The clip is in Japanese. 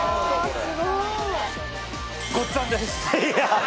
すごい！ごっつぁんです！